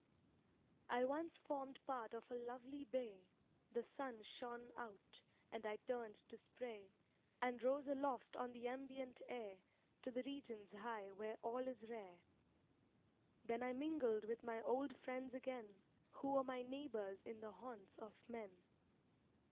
"I once formed part of a lovely bay; The sun shone out, and I turned to spray, And rose aloft on the ambient air, To the regions high where all is rare; Then I mingled with my old friends again, Who were my neighbors in the haunts of men.